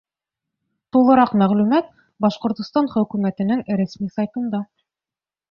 Тулыраҡ мәғлүмәт — Башҡортостан Хөкүмәтенең рәсми сайтында.